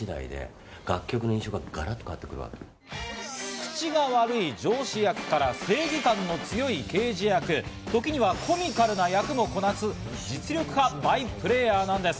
口が悪い上司役から、正義感の強い刑事役、時にはコミカルな役もこなす、実力派バイプレーヤーなんです。